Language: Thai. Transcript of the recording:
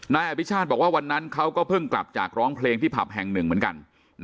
นายอภิชาติบอกว่าวันนั้นเขาก็เพิ่งกลับจากร้องเพลงที่ผับแห่งหนึ่งเหมือนกัน